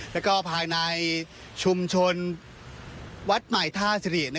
แล้วก็ภายในชุมชนวัดใหม่ท่าสิริ